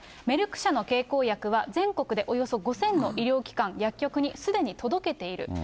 メルク社の経口薬は全国でおよそ５０００の医療機関、薬局にすでに届けている。